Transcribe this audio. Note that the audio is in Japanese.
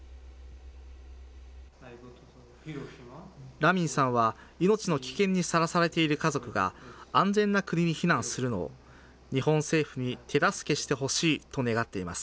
ラミンさんは命の危険にさらされている家族が、安全な国に避難するのを、日本政府に手助けしてほしいと願っています。